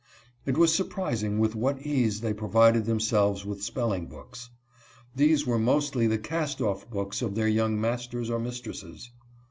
It was surprising with what ease CLASS LEADERS. 187 they provided themselves with spelling books. These were mostly the cast off books of their young masters or mistresses.